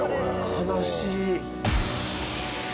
悲しい！